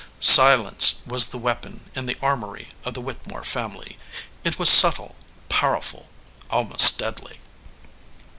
Silence was the weapon in the armory of the Whittemore family. It was subtle, powerful, almost deadly.